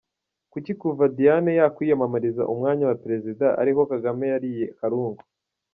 Kuki kuva Diane yakwiyamamariza umwanya wa Perezida ariho Kagame yariye karungu ?